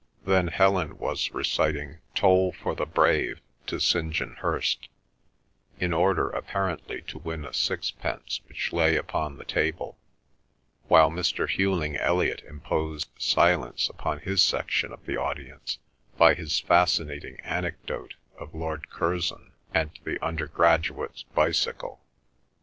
Then Helen was reciting "Toll for the Brave" to St. John Hirst, in order apparently to win a sixpence which lay upon the table; while Mr. Hughling Elliot imposed silence upon his section of the audience by his fascinating anecdote of Lord Curzon and the undergraduate's bicycle.